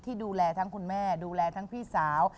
ที่ดูแลทั้งคุณแม่ดูแลทั้งพี่สาว